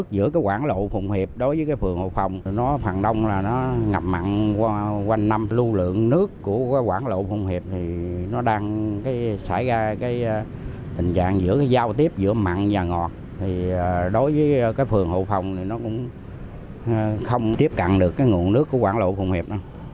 đối với phường hộ phòng nó cũng không tiếp cận được nguồn nước của quảng lộ phùng hiệp